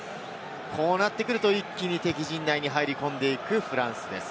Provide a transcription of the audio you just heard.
こうなると一気に敵陣内に入り込んでいくフランスです。